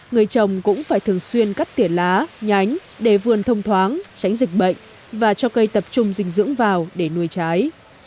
người trồng cũng phải thường xuyên cắt tỉa lá nhánh để vườn thông thoáng tránh dịch bệnh và cho cây tập trung dinh dưỡng vào để nuôi trái